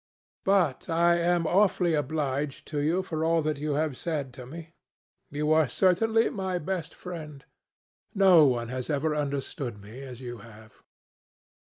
"But I am awfully obliged to you for all that you have said to me. You are certainly my best friend. No one has ever understood me as you have."